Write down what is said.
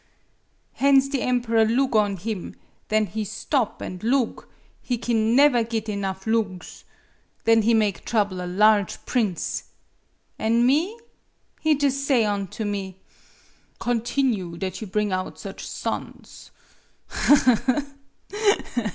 Hence the emperor loog on him; then he stop an' loog; he kin naever git enough loogs. Then he make Trouble a large prince! An' me ? He jus' say onto me: ' Continue that you bring out such sons.'